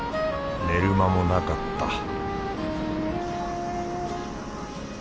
寝る間もなかった